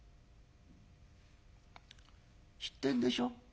知ってんでしょ？